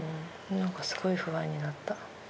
なんかすごい不安になった。